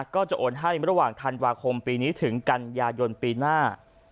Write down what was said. ก็จะโอนให้ระหว่างธันวาคมปีนี้ถึงกันยายนปีหน้า